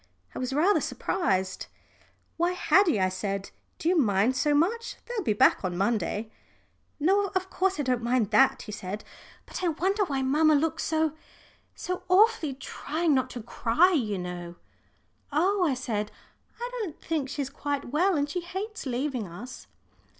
I was rather surprised. "Why, Haddie," I said, "do you mind so much? They'll be back on Monday." "No, of course I don't mind that," he said. "But I wonder why mamma looks so so awfully trying not to cry, you know." "Oh," I said, "I don't think she's quite well. And she hates leaving us."